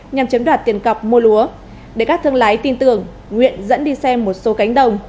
nhằm chiếm đoạt tiền cọc mua lúa để các thương lái tin tưởng nguyện dẫn đi xem một số cánh đồng